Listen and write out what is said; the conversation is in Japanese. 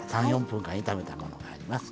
３４分間炒めたものがあります。